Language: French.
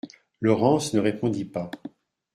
Laurence ne répondit pas.